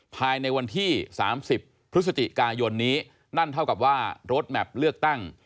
ภายในวันที่๓๐พฤศจิกายนนี้นั่นเท่ากับว่ารถแมพเลือกตั้ง